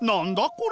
これ？